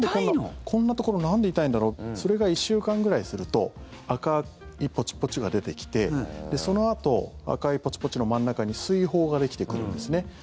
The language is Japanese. こんなところなんで痛いんだろうそれが１週間ぐらいすると赤いポチポチが出てきてそのあと赤いポチポチの真ん中に水疱ができてくるんですね。